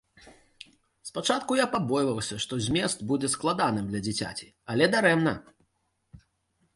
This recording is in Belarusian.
Спачатку я пабойваўся, што змест будзе складаным для дзіцяці, але дарэмна.